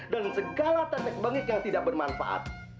dan segala tanda kebanggaan yang tidak bermanfaat